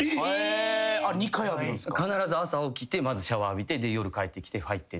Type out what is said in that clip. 必ず朝起きてまずシャワーを浴びて夜帰ってきて入ってっていう。